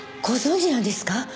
ご存じなんですか？